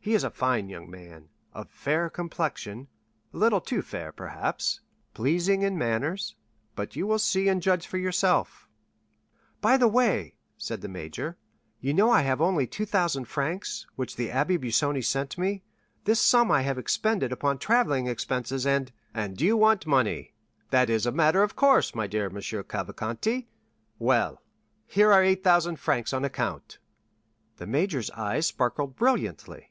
He is a fine young man, of fair complexion—a little too fair, perhaps—pleasing in manners; but you will see and judge for yourself." "By the way," said the major, "you know I have only the 2,000 francs which the Abbé Busoni sent me; this sum I have expended upon travelling expenses, and——" "And you want money; that is a matter of course, my dear M. Cavalcanti. Well, here are 8,000 francs on account." The major's eyes sparkled brilliantly.